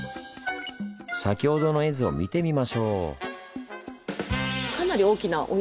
先ほどの絵図を見てみましょう。